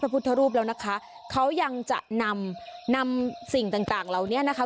พุทธรูปแล้วนะคะเขายังจะนำนำสิ่งต่างต่างเหล่านี้นะคะ